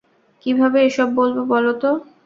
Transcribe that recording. কীভাবে এসব বলব বলো তো?